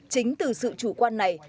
chính từ sự chủ quan này